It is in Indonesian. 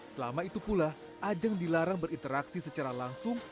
selama itu pula ajang dilarang berinteraksi secara langsung